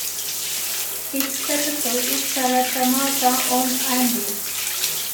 Its capital is Saratamata on Ambae.